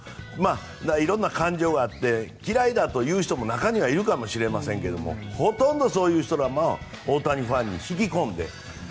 いろんな感情があって嫌いという人も中にはいるかもしれませんがほとんど、そういう人らも大谷ファンに引き込んで。